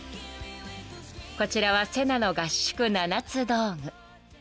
［こちらはセナの合宿七つ道具］